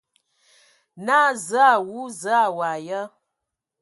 Naa: Zǝə a wu! Zǝə a waag ya ?